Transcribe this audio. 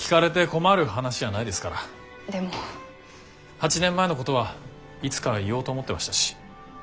８年前のことはいつか言おうと思ってましたし。